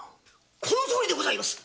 このとおりでございます。